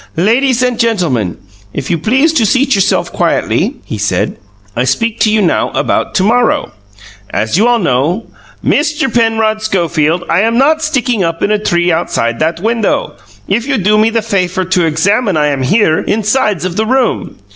"Ladies and gentlemen, if you please to seat yourselves quietly," he said; "I speak to you now about to morrow. As you all know Mister Penrod Schofield, I am not sticking up in a tree outside that window! If you do me the fafer to examine I am here, insides of the room.